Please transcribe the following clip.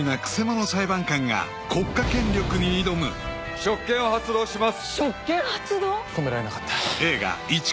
「職権を発動します」